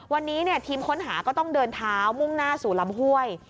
วันนี้ทีมค้นหาก็ต้องเดินเท้ามุ่งหน้าสู่ลำห้วย